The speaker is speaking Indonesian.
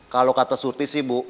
kalau kata surti sih bu